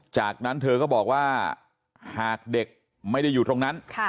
จากนั้นเธอก็บอกว่าหากเด็กไม่ได้อยู่ตรงนั้น